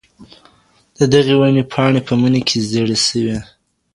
د دغې وني پاڼې په مني کي زیړې سوې.